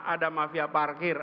ada mafia parkir